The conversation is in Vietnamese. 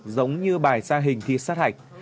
giống như bài xa hình thi sát hạch